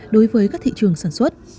đối với các thị trường sản xuất